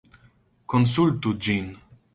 Konsultu ĝin!